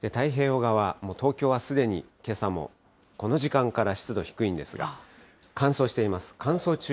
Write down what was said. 太平洋側、東京はすでにけさもこの時間から湿度低いんですが、乾燥しています。